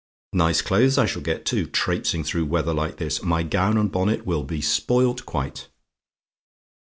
"Nice clothes I shall get too, trapesing through weather like this. My gown and bonnet will be spoilt quite.